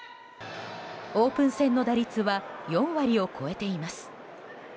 オープン戦の打率は４割を超えています。